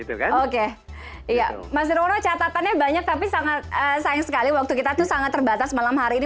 iya mas nirwono catatannya banyak tapi sangat sayang sekali waktu kita itu sangat terbatas malam hari ini